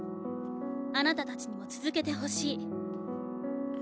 あなたたちにも続けてほしい。